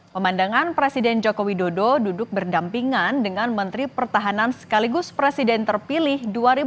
pemandangan presiden jokowi dodo duduk berdampingan dengan menteri pertahanan sekaligus presiden terpilih dua ribu dua puluh empat dua ribu dua puluh sembilan